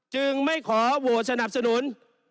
จึงไม่ขอโหวตสนับสนุน